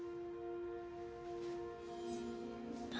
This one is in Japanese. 何？